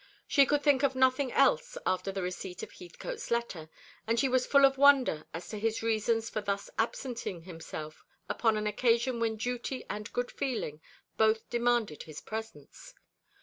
She could think of nothing else after the receipt of Heathcote's letter; and she was full of wonder as to his reasons for thus absenting himself upon an occasion when duty and good feeling both demanded his presence.